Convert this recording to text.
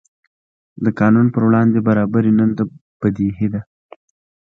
د قانون پر وړاندې برابري نن بدیهي ده.